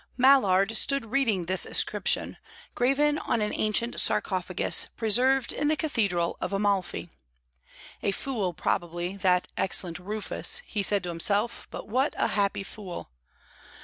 Mallard stood reading this inscription, graven on an ancient sarcophagus preserved in the cathedral of Amalfi. A fool, probably, that excellent Rufus he said to himself, but what a happy fool!